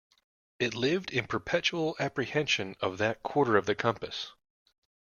It lived in perpetual apprehension of that quarter of the compass.